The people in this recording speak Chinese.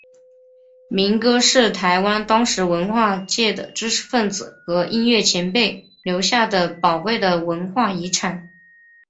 民歌是台湾当时文化界的知识份子和音乐前辈留下的宝贵的文化遗产。